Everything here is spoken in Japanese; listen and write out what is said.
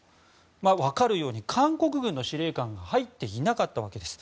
分かるように韓国軍の司令官が入っていなかったわけです。